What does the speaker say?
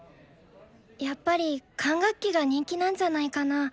やっぱり管楽器が人気なんじゃないかな？